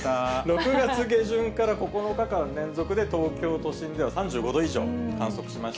６月下旬から９日間連続で東京都心では３５度以上観測しました。